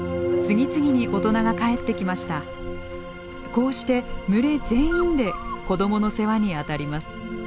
こうして群れ全員で子どもの世話にあたります。